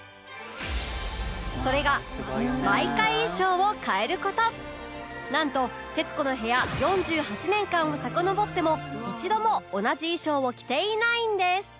それがなんと『徹子の部屋』４８年間をさかのぼっても一度も同じ衣装を着ていないんです